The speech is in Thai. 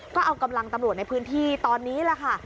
ก็เอากำลังตำรวจในพื้นที่ตอนนี้แหละค่ะ